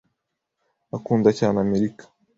Akunda cyane Amerika.